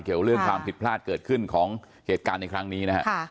เกี่ยวกับเรื่องความผิดพลาดเกิดขึ้นของเหตุการณ์ในครั้งนี้